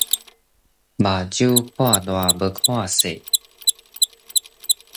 目睭看大無看細